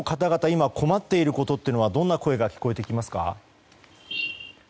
今、困っていることはどんな声が聞こえてきますか？